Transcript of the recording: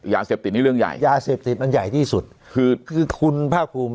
ยาเสพติดนี่เรื่องใหญ่ยาเสพติดมันใหญ่ที่สุดคือคือคุณภาคภูมิ